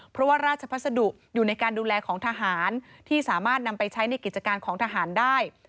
เพราะว่าราชพัสดุอยู่ในการดูแลของทหารที่สามารถนำไปใช้ในกิจการของทหารได้